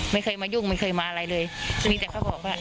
ไม่เคยมายุ่งไม่เคยมาอะไรเลยมีแต่เขาบอกว่า